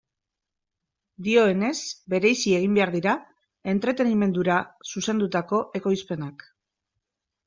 Dioenez, bereizi egin behar dira entretenimendura zuzendutako ekoizpenak.